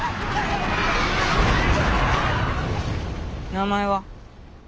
名前は？